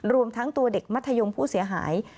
รวมทั้งตัวเด็กมัธยมผู้เสียหาย